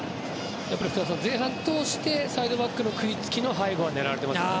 やっぱり福田さん前半通してサイドバックの食いつきの背後を狙われていますよね。